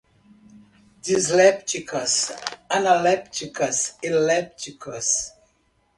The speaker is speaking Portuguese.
dislépticas, analépticas e lépticas